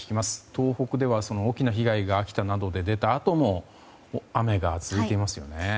東北では大きな被害が秋田などで出たあとも雨が続いていますよね。